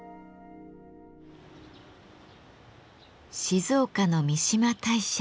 静岡の三嶋大社。